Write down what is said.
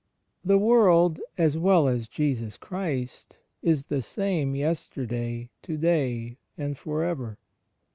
The world, as well as Jesus Christ, is the same yesterday, to day and for ever.